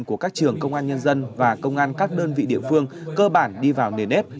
của các trường công an nhân dân và công an các đơn vị địa phương cơ bản đi vào nền nếp